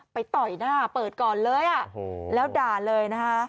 ต่อยหน้าเปิดก่อนเลยแล้วด่าเลยนะคะ